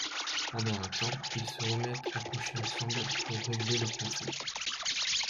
Pendant un temps, ils se remettent à coucher ensemble pour régler leurs conflits.